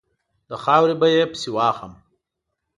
له خاورې به یې پسي واخلم.